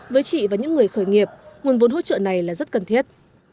với chị và những người khởi nghiệp nguồn vốn hỗ trợ này là rất cần thiết